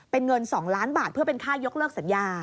เป็นเงิน๒ล้านบาทเพื่อเป็นค่ายกเลิกสัญญา